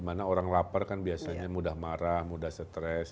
karena orang lapar kan biasanya mudah marah mudah stres